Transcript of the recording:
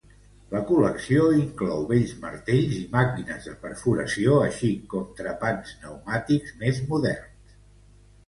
La col·lecció inclou vells martells i màquines de perforació, així com trepants pneumàtics més moderns.